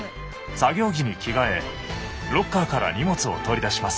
作業着に着替えロッカーから荷物を取り出します。